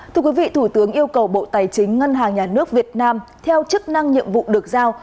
thưa quý vị thủ tướng yêu cầu bộ tài chính ngân hàng nhà nước việt nam theo chức năng nhiệm vụ được giao